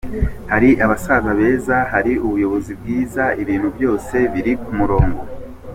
Hari abasaza beza, hari ubuyobozi bwiza, ibintu byose biri ku murongo.